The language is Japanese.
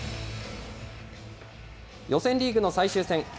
予選リーグの最終戦。